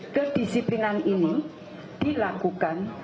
kedisiplinan ini dilakukan